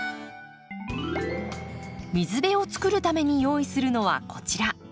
水辺を作るために用意するのはこちら。